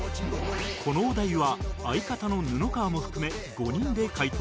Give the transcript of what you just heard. このお題は相方の布川も含め５人で回答